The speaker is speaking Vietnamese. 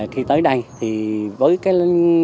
khi tới đây thì với cái